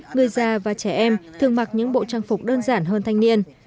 người già và trẻ em thường mặc những bộ trang phục đơn giản hơn thanh niên